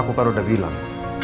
aku kan udah bilang